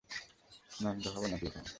ন্যাংটা হবো নাকি এখানে?